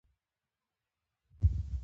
شنه ساحه د سترګو لپاره ښه ده.